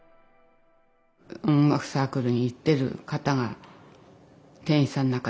音楽サークルに行ってる方が店員さんの中にいたんですよ。